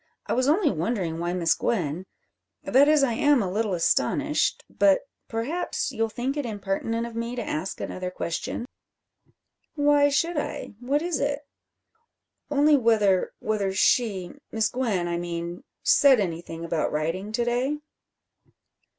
I was only wondering why Miss Gwen that is, I am a little astonished but perhaps you'll think it impertinent of me to ask another question?" "Why should I? What is it?" "Only whether whether she Miss Gwen, I mean said anything about riding to day?"